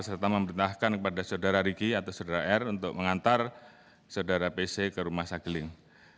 serta memerintahkan kepada saudara riki atau saudara r untuk mengantar saudara pc ke rumah sageling